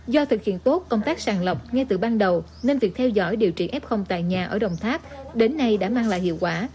do thực hiện tốt công tác sàng lọc ngay từ ban đầu nên việc theo dõi điều trị f tại nhà ở đồng tháp đến nay đã mang lại hiệu quả